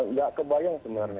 nggak kebayang sebenarnya